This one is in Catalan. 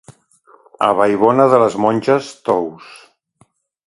A Vallbona de les Monges, tous.